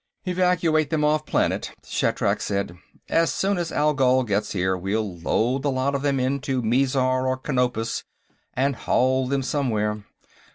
"Evacuate them off planet," Shatrak said. "As soon as Algol gets here, we'll load the lot of them onto Mizar or Canopus and haul them somewhere.